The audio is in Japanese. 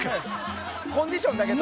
コンディションだけね。